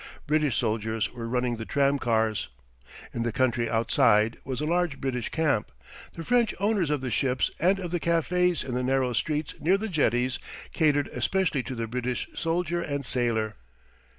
British soldiers were running the tram cars. In the country outside was a large British camp. The French owners of the ships and of the cafés in the narrow streets near the jetties catered especially to the British soldier and sailor.